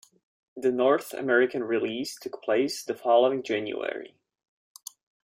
The North American release took place the following January.